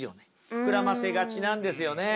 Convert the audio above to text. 膨らませがちなんですよね。